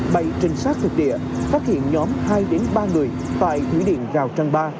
bay trình sát thực địa phát hiện nhóm hai ba người tại thủy điện giao trang ba